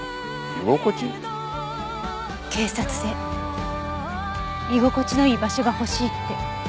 「警察で居心地のいい場所が欲しい」って。